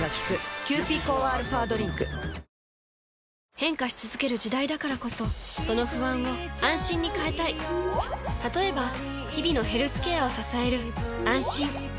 変化し続ける時代だからこそその不安を「あんしん」に変えたい例えば日々のヘルスケアを支える「あんしん」